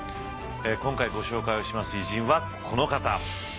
今回ご紹介をします偉人はこの方。